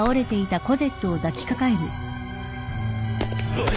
おい！